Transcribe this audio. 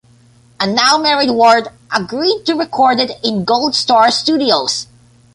A now-married Ward agreed to record it in Gold Star Studios.